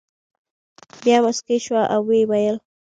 بیا مسکی شو او ویې ویل.